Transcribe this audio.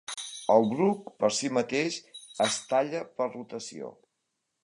El bruc per sí mateix es talla per rotació.